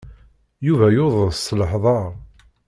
Yuba yudes s leḥder.